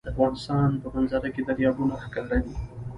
د افغانستان په منظره کې دریابونه ښکاره ده.